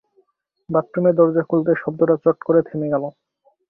বাথরুমের দরজা খুলতেই শব্দটা চট করে থেমে গেল।